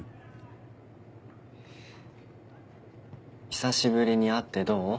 久しぶりに会ってどう？